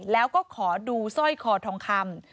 แล้วก็ขอดูสร้อยคอทองคำ